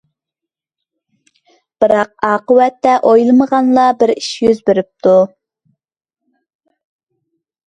بىراق، ئاقىۋەتتە ئويلىمىغانلا بىر ئىش يۈز بېرىپتۇ.